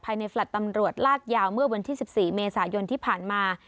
ภายในฟลัดตำรวจรากยาวเมื่อวัน๑๔เมษายนที่ผ่านมา